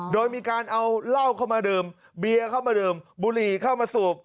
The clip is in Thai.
โดยมีการเอาเหล้าเข้ามาดื่มเบียเข้ามาดื่มบุหรี่เข้ามาสูบ